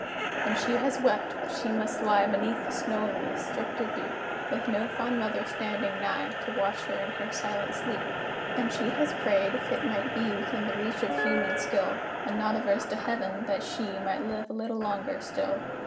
And she has wept, that she must lie Beneath the snow wreaths, drifted deep, With no fond mother standing nigh, To watch her in her silent sleep. And she has prayed, if it might be Within the reach of human skill, And not averse to Heaven, that she Might live a little longer still.